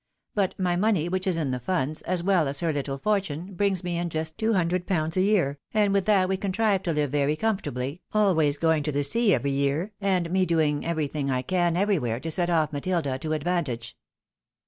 But my money, which is in the funds, as well as her little fortune, brings me in just two hundred a year, and with that we contrive to hve very comfortably, going to the sea every year, and me doing every thing I can, everywhere, to set off Matilda to advantage."